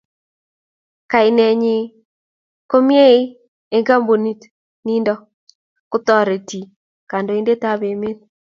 Kainenyi komnyei eng kampunit nindi ko netoreti kandoindetab emet